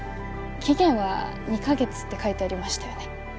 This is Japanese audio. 期限はニカ月って書いてありましたよね？